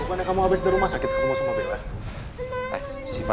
bukannya kamu abis dari rumah sakit ketemu sama bella